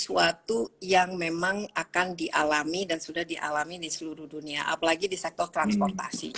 sesuatu yang memang akan dialami dan sudah dialami di seluruh dunia apalagi di sektor transportasi